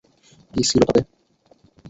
কী ছিল তাতে?